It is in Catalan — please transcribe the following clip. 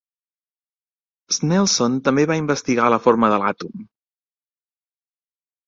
Snelson també va investigar la forma de l'àtom.